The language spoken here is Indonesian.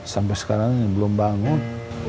sampai sekarang belum bangun